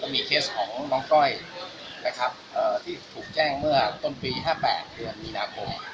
มีเคสของน้องก้อยนะครับที่ถูกแจ้งเมื่อต้นปี๕๘เดือนมีนาคม